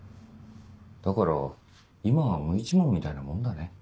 だから今は無一文みたいなもんだね。